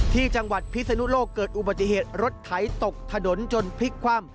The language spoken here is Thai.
ที่จังหวัดพิศนุโลกเกิดอุบัติเหตุรถไถตกถนนจนพลิกคว่ำ